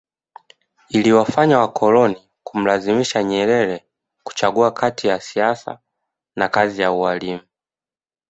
Iliwafanya wakoloni kumlazimisha Nyerere kuchagua kati ya siasa na kazi ya ualimu